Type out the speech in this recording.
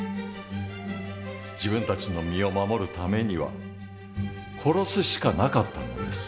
自分たちの身を守るためには殺すしかなかったのです。